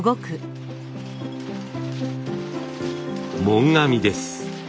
紋紙です。